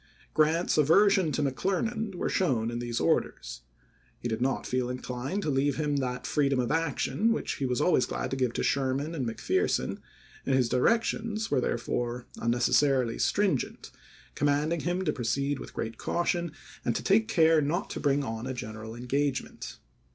Grant's aversion to Mc Clernand were shown in these orders. He did not feel inclined to leave to him that freedom of action which he was always glad to give to Sherman and McPherson, and his directions were therefore un necessarily stringent, commanding him to proceed with great caution and to take care not to bring on a general engagement.